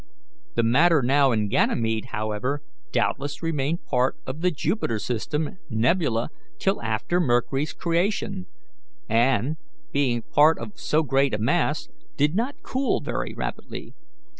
The matter now in Ganymede, however, doubtless remained part of the Jupiter system nebula till after Mercury's creation, and, being part of so great a mass, did not cool very rapidly.